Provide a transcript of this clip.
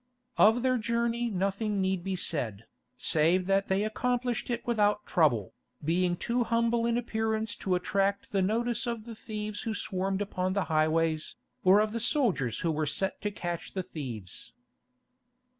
Of their journey nothing need be said, save that they accomplished it without trouble, being too humble in appearance to attract the notice of the thieves who swarmed upon the highways, or of the soldiers who were set to catch the thieves.